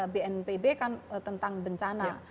bnpb kan tentang bencana